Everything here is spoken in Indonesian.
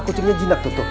kucingnya jindak tuh